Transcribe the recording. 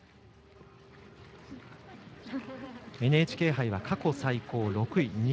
ＮＨＫ杯は過去最高６位。